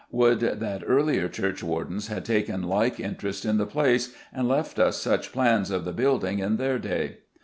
Would that earlier churchwardens had taken like interest in the place, and left us such plans of the building in their day!